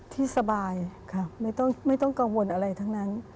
ที่สบายไม่ต้องกังวลอะไรทั้งนั้น